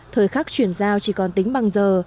thời khắc chuyển giao chỉ còn tính bằng giờ